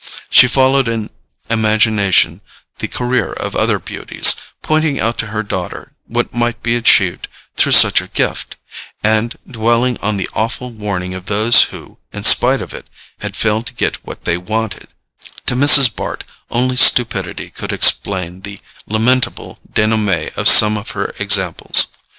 She followed in imagination the career of other beauties, pointing out to her daughter what might be achieved through such a gift, and dwelling on the awful warning of those who, in spite of it, had failed to get what they wanted: to Mrs. Bart, only stupidity could explain the lamentable denouement of some of her examples.